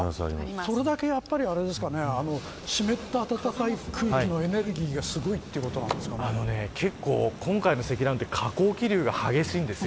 それだけ、湿った暖かい空気のエネルギーがすごい今回の積乱雲は結構下降気流が激しいです。